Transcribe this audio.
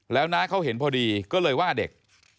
แล้วน้าเขาเห็นพอดีก็เลยว่าเด็ก